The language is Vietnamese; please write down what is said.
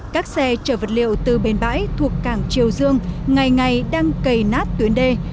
các xe chở vật liệu từ bên bãi thuộc cảng triều dương ngày ngày đang cầy nát tuyến đê